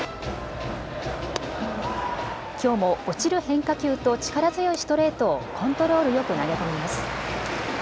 きょうも落ちる変化球と力強いストレートをコントロールよく投げ込みます。